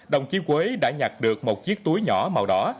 đồng chí quế đã nhặt được một chiếc túi nhỏ màu đỏ